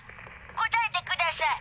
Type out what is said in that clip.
答えてくだしゃい！